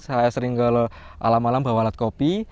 saya sering ke alam alam bawa alat kopi